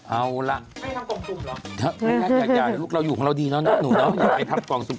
เอาล่ะไม่ได้ทำกล่องซุ่มหรออย่าอย่าลูกเราอยู่ของเราดีแล้วนะ